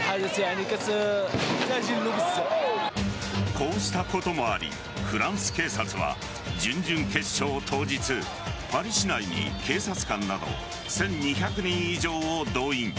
こうしたこともありフランス警察は準々決勝当日パリ市内に警察官など１２００人以上を動員。